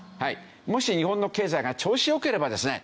もし日本の経済が調子良ければですね